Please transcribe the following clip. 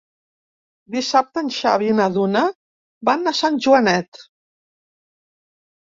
Dissabte en Xavi i na Duna van a Sant Joanet.